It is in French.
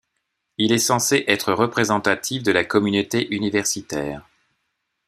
Il est censé être représentatif de la communauté universitaire.